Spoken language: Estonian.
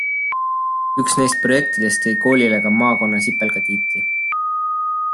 Üks neist projektidest tõi koolile ka Maakonnasipelga tiitli.